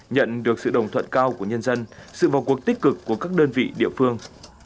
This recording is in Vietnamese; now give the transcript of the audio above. nhận được sự đồng thuận cao của nhân dân sự vào cuộc tích cực của các đơn vị địa phương